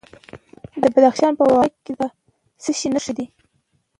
د بدخشان په واخان کې د څه شي نښې دي؟